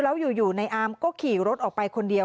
แล้วอยู่ในอาร์มก็ขี่รถออกไปคนเดียว